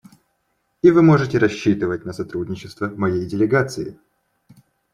И вы можете рассчитывать на сотрудничество моей делегации.